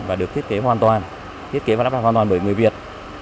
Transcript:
và được thiết kế hoàn toàn thiết kế hoàn toàn bởi người việt